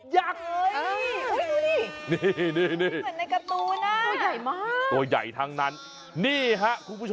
ยังไม่พูด